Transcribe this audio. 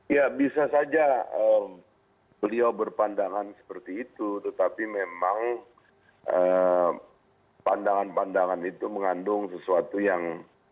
ya bisa saja beliau berpandangan seperti itu tetapi memang pandangan pandangan itu mengandung sesuatu yang